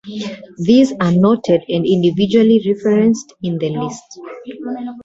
These are noted and individually referenced in the list.